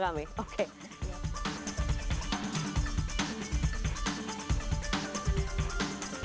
kita masih ada